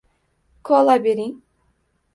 - Kola bering.